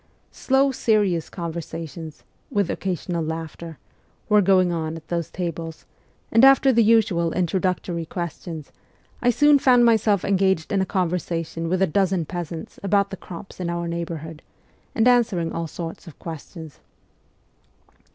Slow, serious con versations, with occasional laughter, were going on at those tables, and after the usual introductory questions, I soon found myself engaged in a conversation with a dozen peasants about the crops in our neighbourhood, and answering all sorts of questions.